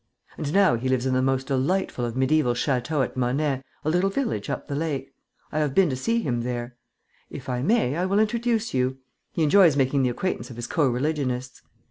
And now he lives in the most delightful of mediæval châteaux at Monet, a little village up the lake. I have been to see him there. If I may, I will introduce you. He enjoys making the acquaintance of his co religionists.